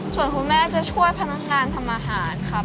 ส่วนคุณแม่จะช่วยพนักงานทำอาหารครับ